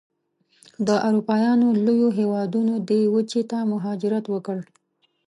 د اروپایانو لویو هېوادونو دې وچې ته مهاجرت وکړ.